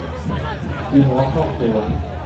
ทีมหมอครอบครัว